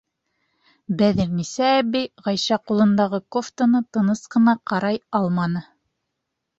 Бәҙерниса әбей Ғәйшә ҡулындағы кофтаны тыныс ҡына ҡарай алманы: